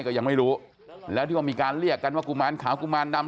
ก็ยังไม่รู้แล้วที่ว่ามีการเรียกกันว่ากุมารขาวกุมารดำ